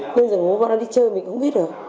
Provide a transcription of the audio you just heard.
bây giờ ngủ bọn nó đi chơi mình cũng không biết được